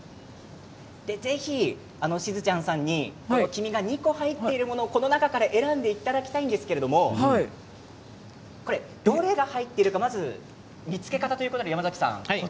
ぜひしずちゃんさんに黄身が２個入っているものをこの中から選んでいただきたいんですけれどどれが入っているか、まず見つけ方ということですね。